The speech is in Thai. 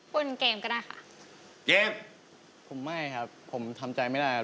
เล่นเกมก็ได้ค่ะเกมผมไม่ครับผมทำใจไม่ได้